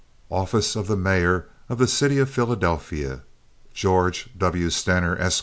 OFFICE OF THE MAYOR OF THE CITY OF PHILADELPHIA GEORGE W. STENER, ESQ.